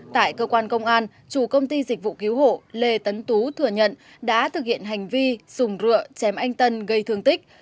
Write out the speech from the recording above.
tại cơ quan công an chủ công ty dịch vụ cứu hộ lê tấn tú thừa nhận đã thực hiện hành vi dùng rượu chém anh tân gây thương tích